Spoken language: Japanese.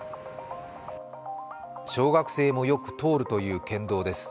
小学生もよく通るという県道です。